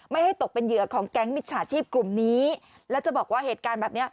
ไม่ให้ตกเป็นเหยื่อของแก๊งมิจฉาชีพกลุ่มนี้แล้วจะบอกว่าเหตุการณ์แบบนี้